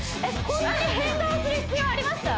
こんなに変顔する必要ありました？